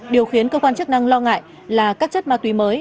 điều khiến cơ quan chức năng lo ngại là các chất ma túy mới